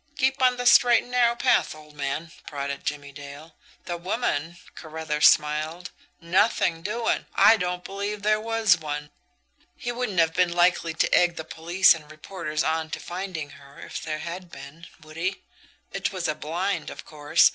Keep on the straight and narrow path, old man," prodded Jimmie Dale. "The woman?" Carruthers smiled. "Nothing doing! I don't believe there was one he wouldn't have been likely to egg the police and reporters on to finding her if there had been, would he? It was a blind, of course.